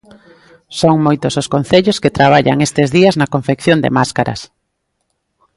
Son moitos os concellos que traballan estes días na confección de máscaras.